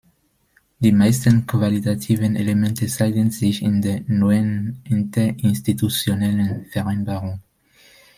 Die meisten qualitativen Elemente zeigen sich in der neuen Interinstitutionellen Vereinbarung.